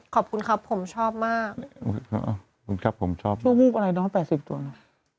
ขอบคุณครับผมชอบมากคุณครับผมชอบถึงหุ้บอะไรเนอะแปดสิบตัวน่ะ